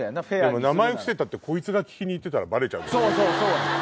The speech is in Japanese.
でも名前伏せたってこいつが聞きに行ったらバレちゃう。